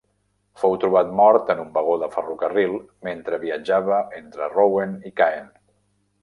Fou trobat mort en un vagó de ferrocarril mentre viatjava entre Rouen i Caen.